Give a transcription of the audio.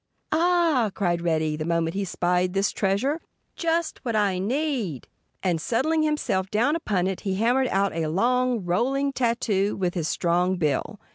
"Ah!" cried Reddy the moment he spied this treasure. "Just what I need!" And settling himself down upon it he hammered out a long, rolling tattoo with his strong bill.